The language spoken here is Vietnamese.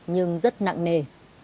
nhưng rất nặng nề